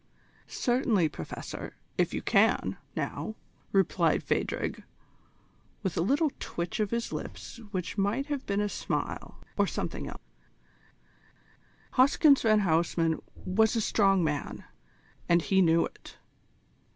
"Certainly, Professor if you can now," replied Phadrig, with a little twitch of his lips which might have been a smile, or something else. Hoskins van Huysman was a strong man, and he knew it.